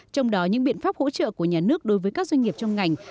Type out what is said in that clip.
trong đó những biện pháp hỗ trợ của nhà nước đối với các doanh nghiệp trong ngành